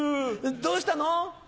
どうしたの？